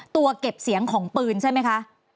ตัวเก็บเสียงของปืนใช่ไหมคะ